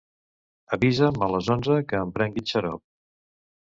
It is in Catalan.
Avisa'm a les onze que em prengui el xarop.